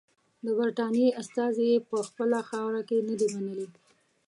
د برټانیې استازي یې په خپله خاوره کې نه دي منلي.